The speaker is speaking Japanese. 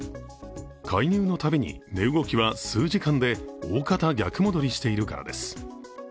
介入のたびに値動きは数時間で大方逆戻りしているからです。